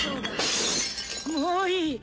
「もういい。